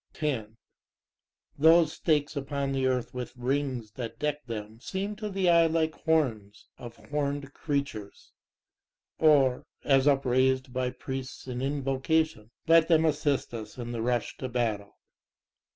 10 Those Stakes upon the earth with rings that deck them seem to the eye like horns of horned creatures; Or, as upraised by priests in invocation, let them assist us in the rush to battle.